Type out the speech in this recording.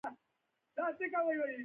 باید د مخالفت پر ځای یې پر ودې زور وشي.